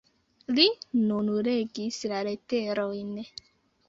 Li nun legis la leterojn.